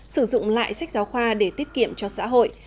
sử dụng lại sách giáo khoa để tiết kiệm cho xã hội